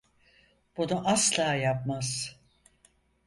Bunu asla yapmaz.